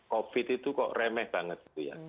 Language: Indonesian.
covid itu kok remeh banget